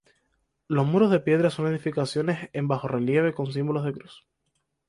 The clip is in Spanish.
Los muros de piedra son edificados en bajorrelieve con símbolo de cruz.